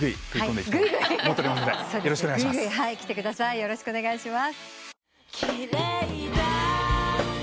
よろしくお願いします。